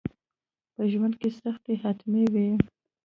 په ژوند کي سختي حتمي وي.